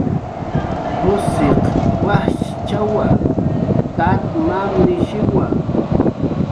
Jushiq wachchawa, tat mamawishiwa